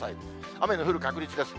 雨の降る確率です。